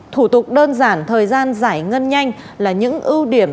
thủ tục đơn giản thời gian giải ngân nhanh là những ưu điểm